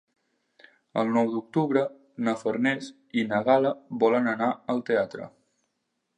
El nou d'octubre na Farners i na Gal·la volen anar al teatre.